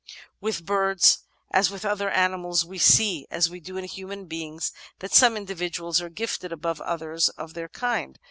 With birds, as with other animals, we see, as we do in human beings, that some individuals are gifted above others of their kind.